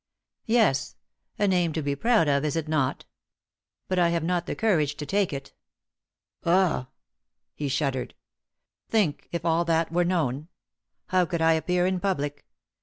"Yes a name to be proud of, is it not? But I have not the courage to take it. Ugh!" He shuddered. "Think, if all that were known! How could I appear in public?